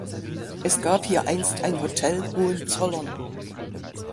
Es gab hier einst ein Hotel "Hohenzollern".